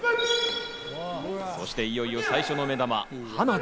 そしていよいよ最初の目玉、花火。